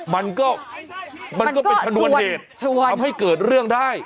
มันก็มันก็เป็นชนวนเหตุทำให้เกิดเรื่องได้